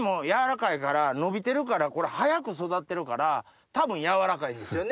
伸びてるからこれ早く育ってるから多分やわらかいですよね。